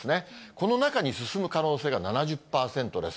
この中に進む可能性が７０％です。